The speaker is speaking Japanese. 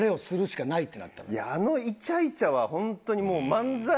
いやあのイチャイチャはホントにもう漫才。